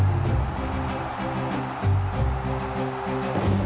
แล้วก็กำหนดทิศทางของวงการฟุตบอลในอนาคต